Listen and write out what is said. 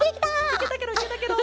いけたケロいけたケロ。